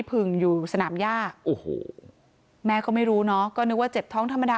ผึ่งอยู่สนามย่าโอ้โหแม่ก็ไม่รู้เนอะก็นึกว่าเจ็บท้องธรรมดา